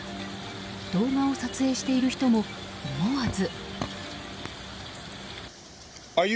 動画を撮影している人も思わず。